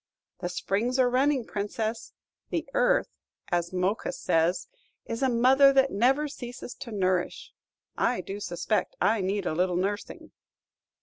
"The springs are running, Princess; 'the earth,' as Mos chus says, 'is a mother that never ceases to nourish.' I do suspect I need a little nursing."